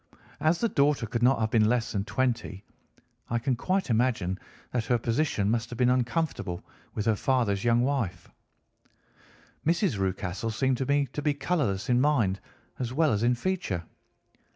As the daughter could not have been less than twenty, I can quite imagine that her position must have been uncomfortable with her father's young wife. "Mrs. Rucastle seemed to me to be colourless in mind as well as in feature.